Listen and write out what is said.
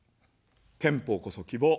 憲法こそ希望。